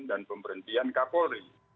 dan pemberhentian k polri